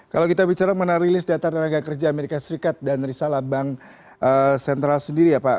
kalau kita bicara mengenai rilis data tenaga kerja amerika serikat dan risalah bank sentral sendiri ya pak